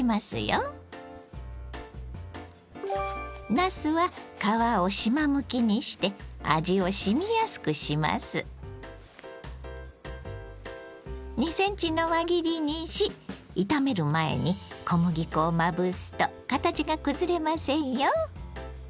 なすは２ｃｍの輪切りにし炒める前に小麦粉をまぶすと形が崩れませんよ。